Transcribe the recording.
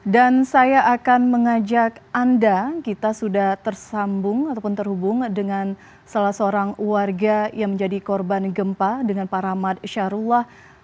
dan saya akan mengajak anda kita sudah tersambung ataupun terhubung dengan salah seorang warga yang menjadi korban gempa dengan pak ramad syarullah